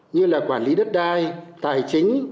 như là quản lý đất đai tài chính